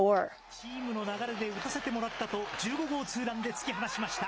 チームの流れで打たせてもらったと、１５号ツーランで突き放しました。